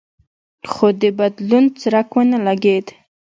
خو د بدلون څرک ونه لګېد.